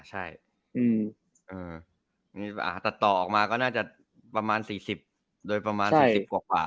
ใช่อืมอืมอ่าตัดต่อออกมาก็น่าจะประมาณสี่สิบโดยประมาณสี่สิบกว่าขวา